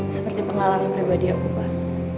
seperti pengalaman pribadi aku pak